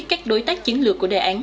các đối tác chiến lược